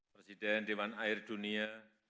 presiden dewan air dunia